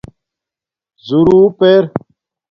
زݸرُوپ اِر